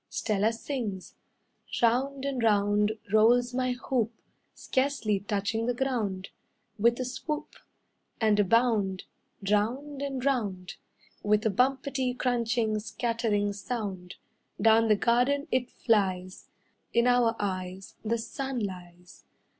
Stella sings: "Round and round, rolls my hoop, Scarcely touching the ground, With a swoop, And a bound, Round and round. With a bumpety, crunching, scattering sound, Down the garden it flies; In our eyes The sun lies.